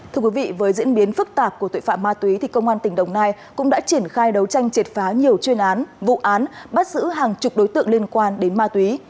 thưa quý vị với diễn biến phức tạp của tội phạm ma túy thì công an tỉnh đồng nai cũng đã triển khai đấu tranh triệt phá nhiều chuyên án vụ án bắt giữ hàng chục đối tượng liên quan đến ma túy